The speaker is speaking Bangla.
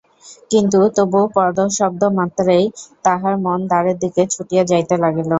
কিন্তু তবু পদশব্দ মাত্রেই তাহার মন দ্বারের দিকে ছুটিয়া যাইতে লাগিল।